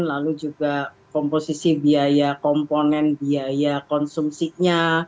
lalu juga komposisi biaya komponen biaya konsumsinya